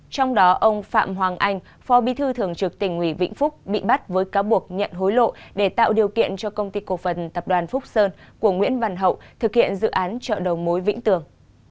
trong đó ông phạm hoàng anh phó bí thư thường trực tỉnh ủy vĩnh phúc bị bắt với cáo buộc nhận hối lộ để tạo điều kiện cho công ty cổ phần tập đoàn phúc sơn của nguyễn văn hậu thực hiện dự án chợ đầu mối vĩnh tường